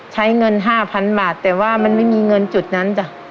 ใช้เงิน๕๐๐๐บาทแต่ว่ามันไม่มีเงินจุดนั้นจ้ะ